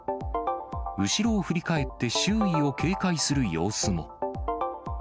後ろを振り返って周囲を警戒する様子も。